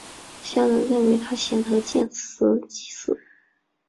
乡人认为他贤德建祠祭祀。